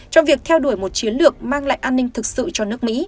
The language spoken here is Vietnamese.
trong việc theo đuổi một chiến lược mang lại an ninh thực sự cho nước mỹ